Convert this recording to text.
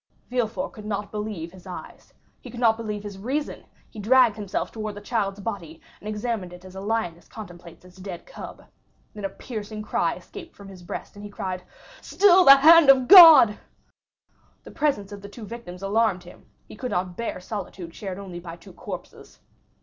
Villefort could not believe his eyes,—he could not believe his reason; he dragged himself towards the child's body, and examined it as a lioness contemplates its dead cub. Then a piercing cry escaped from his breast, and he cried, "Still the hand of God." The presence of the two victims alarmed him; he could not bear solitude shared only by two corpses.